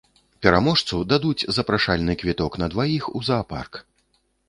Пераможцу дадуць запрашальны квіток на дваіх у заапарк.